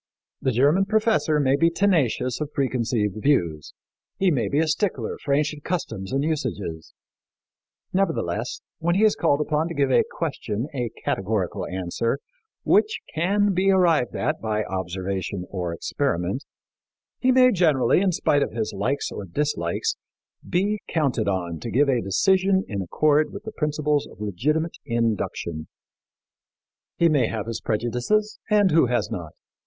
The German professor may be tenacious of preconceived views; he may be a stickler for ancient customs and usages; nevertheless, when he is called upon to give a question a categorical answer which can be arrived at by observation or experiment, he may generally, in spite of his likes or dislikes, be counted on to give a decision in accord with the principles of legitimate induction. He may have his prejudices and who has not?